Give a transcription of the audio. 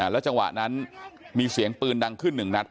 แล้วจังหวะนั้นมีเสียงปืนดังขึ้นหนึ่งนัด